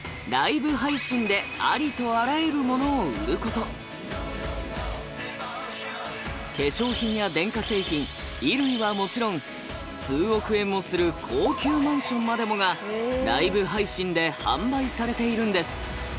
そんな化粧品や電化製品衣類はもちろん数億円もする高級マンションまでもがライブ配信で販売されているんです。